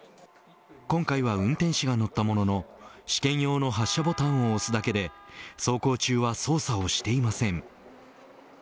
今回は運転士が乗ったものの試験用の発車ボタンを押すだけで走行中は操作をしていません。